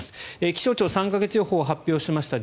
気象庁３か月予報を発表しました。